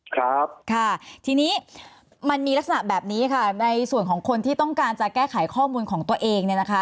ครับค่ะทีนี้มันมีลักษณะแบบนี้ค่ะในส่วนของคนที่ต้องการจะแก้ไขข้อมูลของตัวเองเนี่ยนะคะ